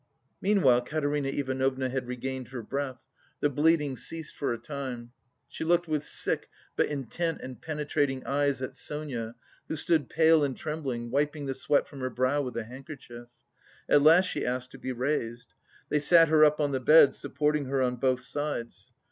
Meanwhile Katerina Ivanovna had regained her breath. The bleeding ceased for a time. She looked with sick but intent and penetrating eyes at Sonia, who stood pale and trembling, wiping the sweat from her brow with a handkerchief. At last she asked to be raised. They sat her up on the bed, supporting her on both sides.